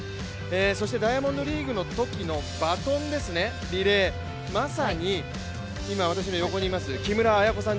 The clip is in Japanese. そしてダイヤモンドリーグのときのバトン、リレー、まさに今私の横にいます、木村文子さん